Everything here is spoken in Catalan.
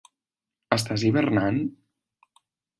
Estàs hivernant?